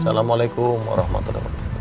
assalamualaikum warahmatullahi wabarakatuh